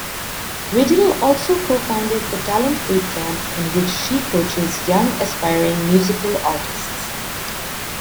Ridel also co-founded the Talent Bootcamp, in which she coaches young aspiring musical artists.